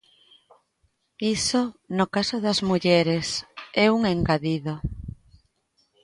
Iso, no caso das mulleres, é un engadido.